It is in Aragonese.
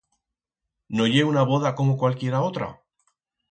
No ye una voda como cualquiera otra?